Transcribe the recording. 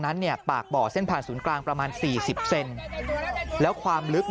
นั้นเนี่ยปากบ่อเส้นผ่านศูนย์กลางประมาณ๔๐เซนแล้วความลึก